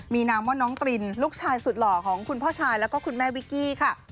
มีนางม่อนน้องตรินลูกชายสุดหล่อของคุณพ่อชายแล้วก็คุณแม่วิกกี้ค่ะ